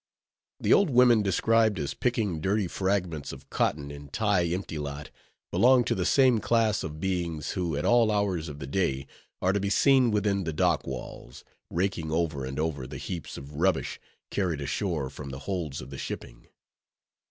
The old women described as picking dirty fragments of cotton in the empty lot, belong to the same class of beings who at all hours of the day are to be seen within the dock walls, raking over and over the heaps of rubbish carried ashore from the holds of the shipping.